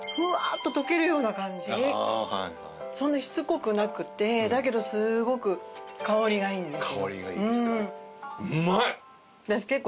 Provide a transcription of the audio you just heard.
そんなしつこくなくてだけどすごく香りがいいんですよ。